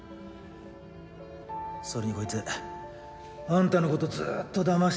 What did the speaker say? それにこいつあんたのことずっとだましてた。